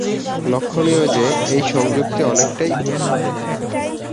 লক্ষণীয় যে, এই সংযুক্তি অনেকটাই স্থিতিশীল।